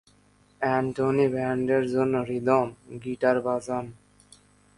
Antony ব্যান্ডের জন্য rhythm guitar বাজান।